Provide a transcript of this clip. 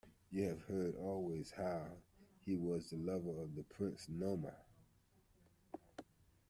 You have heard always how he was the lover of the Princess Naomi.